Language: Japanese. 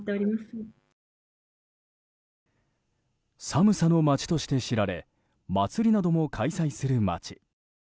寒さの町として知られ祭りなども開催する町。